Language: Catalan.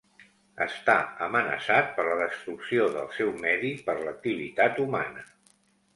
Està amenaçat per la destrucció del seu medi per l'activitat humana.